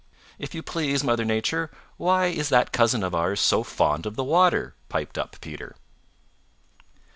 "If you please, Mother Nature, why is that cousin of ours so fond of the water?" piped up Peter.